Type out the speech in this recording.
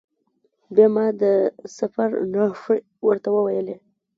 بیا ما د سفر نښې ورته وویلي.